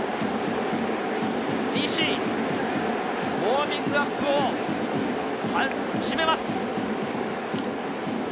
西、ウオーミングアップを始めます。